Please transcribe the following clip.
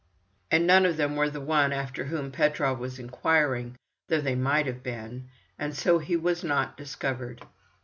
And none of them were the one after whom Petrov was inquiring—though they might have been. And so he was not discovered.